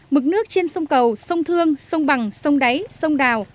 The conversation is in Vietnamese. mực nước trên sông cầu sông thương sông bằng sông đáy sông đào